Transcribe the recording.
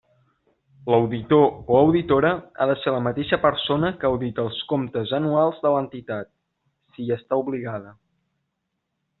L'auditor o auditora ha de ser la mateixa persona que audita els comptes anuals de l'entitat, si hi està obligada.